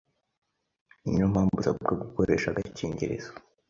niyo mpamvu usabwa gukoresha agakingirizo